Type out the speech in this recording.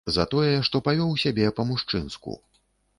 За, тое, што павёў сябе па-мужчынску.